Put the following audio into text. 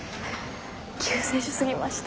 救世主すぎました。